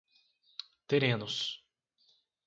Terenos